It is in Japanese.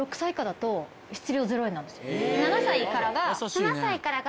７歳からが。